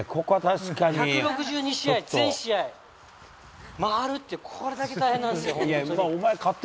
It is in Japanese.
１６２試合、全試合回るってこれだけ大変なんですよ、本当に。